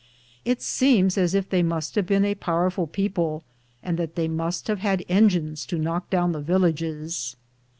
It seems as if they must have been a powerful people, and that they must have had engines to knock down the villages.